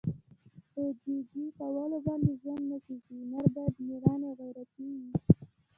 په جي جي کولو باندې ژوند نه کېږي. نر باید مېړنی او غیرتي وي.